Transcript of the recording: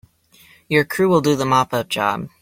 Your crew will do the mop up job.